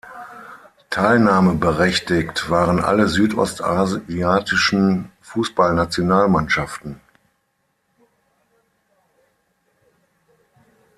Teilnahmeberechtigt waren alle südostasiatischen Fußballnationalmannschaften.